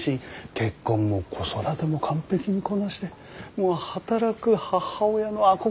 結婚も子育ても完璧にこなしてもう働く母親の憧れであり続ける人だからね。